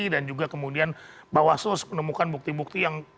dan juga kemudian bawaslu harus menemukan bukti bukti yang